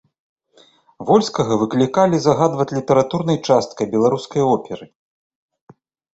Вольскага выклікалі загадваць літаратурнай часткай беларускай оперы.